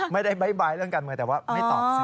ไม่ได้บ๊ายบายเรื่องการเมืองแต่ว่าไม่ตอบสิ